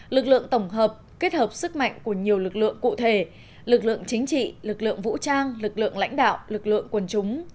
lực lượng tổng hợp kết hợp sức mạnh của nhiều lực lượng cụ thể lực lượng chính trị lực lượng vũ trang lực lượng lãnh đạo lực lượng quần chúng